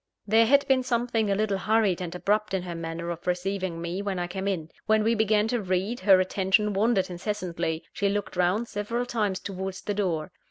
There had been something a little hurried and abrupt in her manner of receiving me, when I came in. When we began to read, her attention wandered incessantly; she looked round several times towards the door.